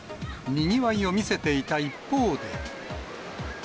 にぎわいを見せていた一方で。